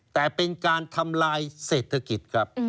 แต่เป็นการทำลายเศรษฐกิจครับ